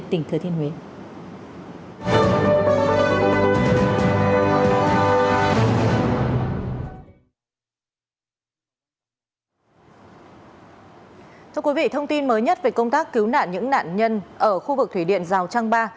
thưa quý vị thông tin mới nhất về công tác cứu nạn những nạn nhân ở khu vực thủy điện rào trăng ba